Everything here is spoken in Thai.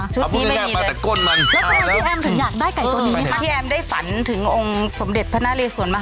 ชุดนี้ไม่มีเลย